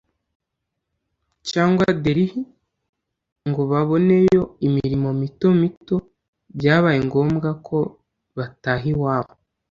cyangwa delhi ngo baboneyo imirimo mito mito, byabaye ngombwa ko bataha iwabo,